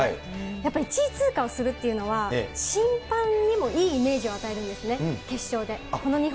やっぱり１位通過をするっていうのは、審判にもいいイメージを与えるんですね。